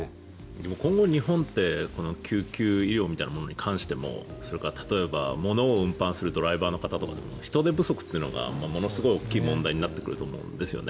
でも今後、日本って救急医療みたいなものに関してもそれから例えば、ものを運搬するドライバーの方とか人手不足というのがものすごい大きい問題になってくると思うんですよね。